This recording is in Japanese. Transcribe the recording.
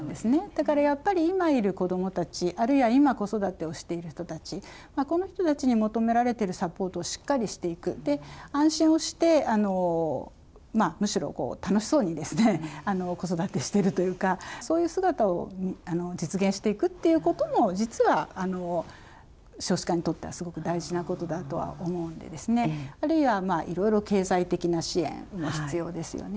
だからやっぱり、今いる子どもたち、あるいは今子育てをしている人たち、この人たちに求められているサポートをしっかりしていく、安心をしてむしろ楽しそうに子育てしているというか、そういう姿を実現していくっていうことも、実は少子化にとってはすごく大事なことだとは思うんで、あるいはいろいろ経済的な支援も必要ですよね。